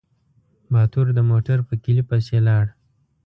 باتور د موټر په کيلي پسې لاړ.